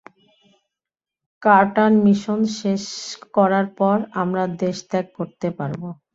Carter mission শেষ করার পর আমরা দেশ ত্যাগ করতে পারব।